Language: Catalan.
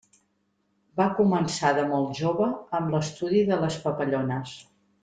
Va començar de molt jove amb l'estudi de les papallones.